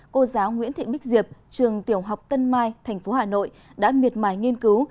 cô giáo nguyễn thị bích diệp trường tiểu học tân mai thành phố hà nội đã miệt mài nghiên cứu